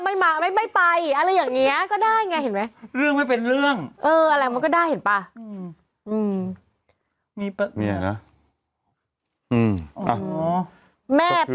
ไม่มาไม่ไปอะไรอย่างเงี้ยก็ได้ไงเห็นไหมเรื่องไม่เป็นเรื่องเอออะไรมันก็ได้เห็นป่ะอืมมีมีอะไรนะอืมอ๋อแม่ป้า